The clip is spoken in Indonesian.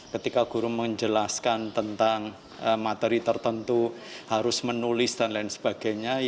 ketika guru menjelaskan tentang materi tertentu harus menulis dan lain sebagainya